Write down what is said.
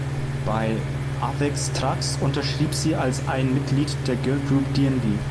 Bei Avex Trax unterschrieb sie als ein Mitglied der Girl Group D&D.